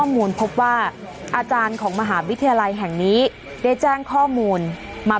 มูลพบว่าอาจารย์ของมหาวิทยาลัยแห่งนี้ได้แจ้งข้อมูลมา